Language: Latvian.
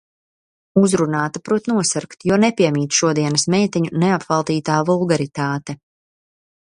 Uzrunāta prot nosarkt, jo nepiemīt šodienas meiteņu neapvaldītā vulgaritāte.